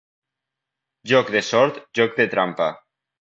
Joc de sort, joc de trampa.